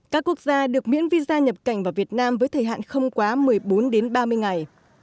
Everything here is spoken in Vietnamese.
các quốc gia được miễn visa nhập cảnh vào việt nam với thời hạn không quá một mươi bốn đến ba mươi ngày